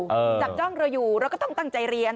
จับจ้องเราอยู่เราก็ต้องตั้งใจเรียน